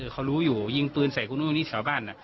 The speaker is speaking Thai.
เขารู้อยู่ยิงปืนใส่คุณอุ้งนี่เฉาบ้าน